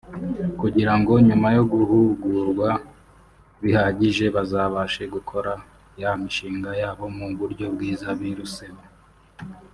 kugira ngo nyuma yo guhugurwa bihagije bazabashe gukora ya mishinga yabo mu buryo bwiza biruseho